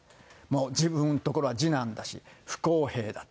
自分のところは次男だし、不公平だと。